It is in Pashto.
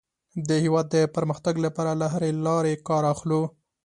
د هېواد د پرمختګ لپاره له هرې لارې کار اخلو.